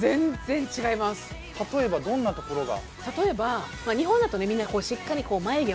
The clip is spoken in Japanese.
例えばどんなところが？